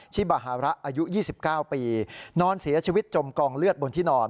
ชิบาฮาระอายุ๒๙ปีนอนเสียชีวิตจมกองเลือดบนที่นอน